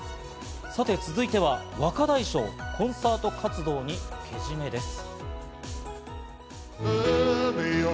続いては、若大将、コンサート活動にけじめです。